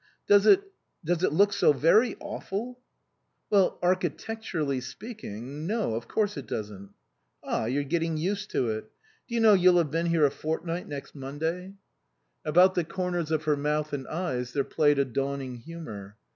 " Does it does it look so very awful ?"" Well architecturally speaking No, of course it doesn't." "Ah, you're getting used to it. Do you know, you'll have been here a fortnight next Monday?" 70 INLAND About the corners of her mouth and eyes there played a dawning humour.